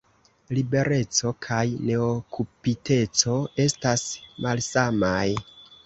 Libereco kaj neokupiteco estas malsamaj.